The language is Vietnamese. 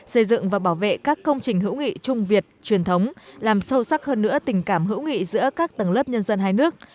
xây dựng và bảo vệ các công trình hữu nghị trung việt truyền thống làm sâu sắc hơn nữa tình cảm hữu nghị giữa các tầng lớp nhân dân hai nước